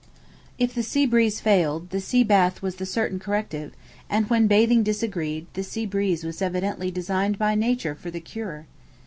If the sea breeze failed, the sea bath was the certain corrective; and when bathing disagreed, the sea breeze was evidently designed by nature for the cure.